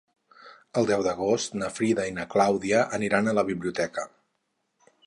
El deu d'agost na Frida i na Clàudia aniran a la biblioteca.